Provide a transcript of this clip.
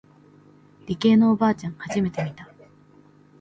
理系のおばあちゃん初めて見た。